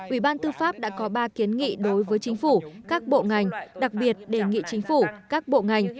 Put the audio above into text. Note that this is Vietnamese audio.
ủy ban tư pháp đã có ba kiến nghị đối với chính phủ các bộ ngành đặc biệt đề nghị chính phủ các bộ ngành